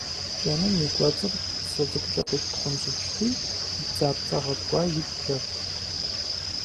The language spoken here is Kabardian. КӀэным и кӀуэцӀыр сэ цӀыкӀукӀэ къиттхъунщӀыкӀти, бдзапцӀэ гъэткӀуа иткӀэрт.